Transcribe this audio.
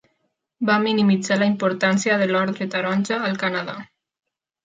Va minimitzar la importància de l'Ordre Taronja al Canadà.